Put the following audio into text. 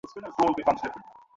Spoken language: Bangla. هذا جناه أبي علي وما جنيت علی أحد